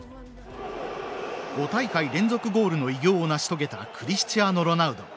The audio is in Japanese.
５大会連続ゴールの偉業を成し遂げたクリスチアーノ・ロナウド。